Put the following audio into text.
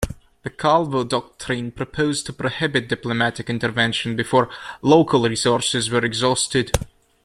The Calvo Doctrine proposed to prohibit diplomatic intervention before local resources were exhausted.